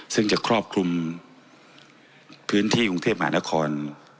ซึ่งจะครอบคลุมพื้นที่กรุงเทพมหานคร